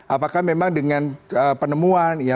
apakah memang dengan penemuan ilp ini merupakan salah satu ancaman